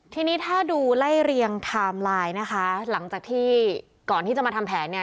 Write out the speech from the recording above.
ทีนี้ถ้าดูไล่เรียงไทม์ไลน์นะคะหลังจากที่ก่อนที่จะมาทำแผนเนี่ย